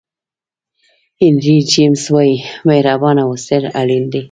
هینري جمیز وایي مهربانه اوسېدل اړین دي.